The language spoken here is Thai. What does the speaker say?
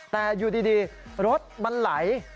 แต่อยู่ดีรถมันไหล